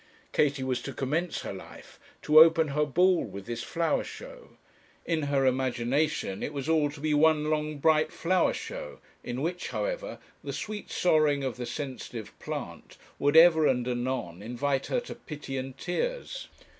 Katie was to commence her life, to open her ball with this flower show. In her imagination it was all to be one long bright flower show, in which, however, the sweet sorrowing of the sensitive plant would ever and anon invite her to pity and tears.